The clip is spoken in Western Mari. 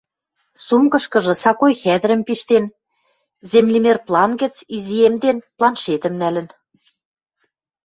Сумкышкыжы сакой хӓдӹрӹм пиштен, землемер план гӹц, изиэмден, планшетӹм нӓлӹн.